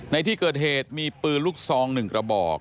ในที่เกิดเหตุมีปืนลูกซอง๑กระบอก